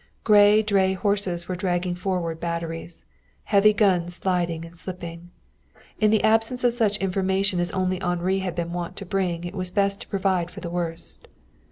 Great dray horses were dragging forward batteries, the heavy guns sliding and slipping In the absence of such information as only Henri had been wont to bring it was best to provide for the worst.